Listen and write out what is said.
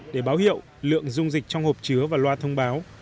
để báo hiệu lượng dung dịch trong hộp chứa và loa thông báo